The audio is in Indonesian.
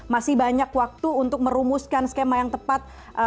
masih banyak waktu untuk merumuskan skema yang tepat